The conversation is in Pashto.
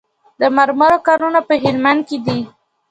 د مرمرو کانونه په هلمند کې دي